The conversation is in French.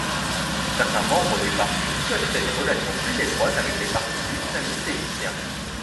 Certains membres du parti souhaiteraient des relations plus étroites avec les partis islamistes égyptiens.